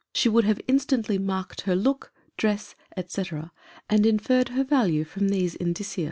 She would have in stantly marked her look, dress, &c., and inferred her value from these indicia.